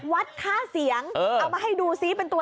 วัดค่าเสียงเอามาให้ดูซิเป็นตัว